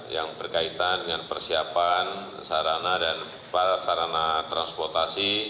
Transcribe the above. yang berkaitan dengan persiapan sarana dan prasarana transportasi